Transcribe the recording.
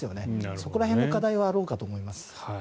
そこら辺の課題はあろうかと思います。